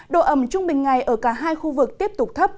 độ ẩm trung bình ngày ở cả hai khu vực tiếp tục thấp